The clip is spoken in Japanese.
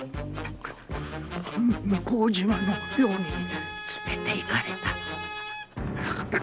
向島の寮に連れていかれた。